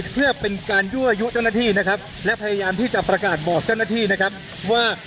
ทางกลุ่มมวลชนทะลุฟ้าทางกลุ่มมวลชนทะลุฟ้า